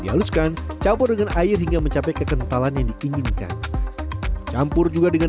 dihaluskan campur dengan air hingga mencapai kekentalan yang diinginkan campur juga dengan